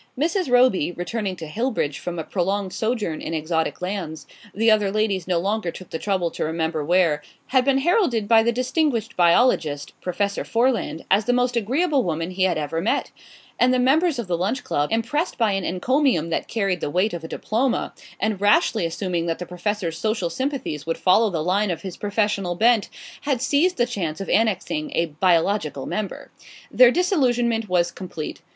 Mrs. Roby, returning to Hillbridge from a prolonged sojourn in exotic lands the other ladies no longer took the trouble to remember where had been heralded by the distinguished biologist, Professor Foreland, as the most agreeable woman he had ever met; and the members of the Lunch Club, impressed by an encomium that carried the weight of a diploma, and rashly assuming that the Professor's social sympathies would follow the line of his professional bent, had seized the chance of annexing a biological member. Their disillusionment was complete.